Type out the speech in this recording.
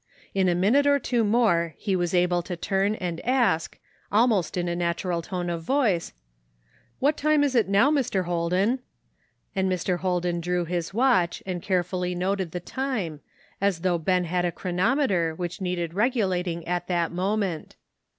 In a minute or two more he was able to turn and ask, almost in a natural tone of voice :" What time is it now, Mr. Plolden ?" And 122 WAITIJSIG. Mr. Holden drew his watch and carefully noted the time, as though Ben had a chronometer which needed regulating at that moment.